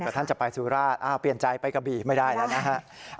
ก็ท่านจะไปสุราชเปลี่ยนใจไปกับบีไม่ได้นะ